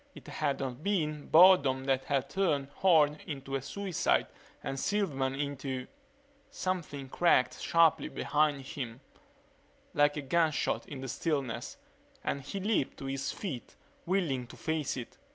It had not been boredom that had turned Horne into a suicide and Silverman into Something cracked sharply behind him, like a gunshot in the stillness, and he leaped to his feet, whirling to face it.